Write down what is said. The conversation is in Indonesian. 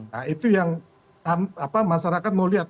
nah itu yang masyarakat mau lihat